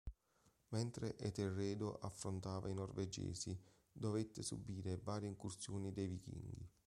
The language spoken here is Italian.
Mentre Etelredo affrontava i norvegesi, dovette subire varie incursioni dei Vichinghi.